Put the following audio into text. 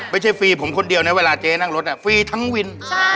ฟรีผมคนเดียวนะเวลาเจ๊นั่งรถฟรีทั้งวิน